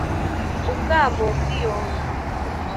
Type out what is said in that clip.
ubwamo bw’iyonga